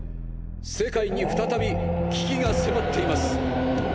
世界に再び危機が迫っています。